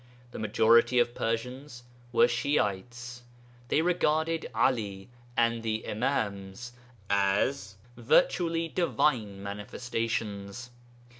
The majority of Persians were Shi'ites; they regarded Ali and the 'Imāms' as virtually divine manifestations.